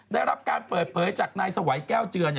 ได้รับการเปิดเผยจากนายสวัยแก้วเจือ